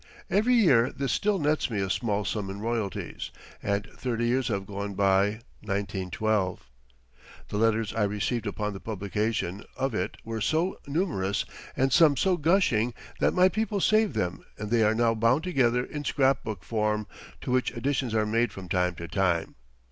[Every year this still nets me a small sum in royalties. And thirty years have gone by, 1912.] The letters I received upon the publication of it were so numerous and some so gushing that my people saved them and they are now bound together in scrapbook form, to which additions are made from time to time.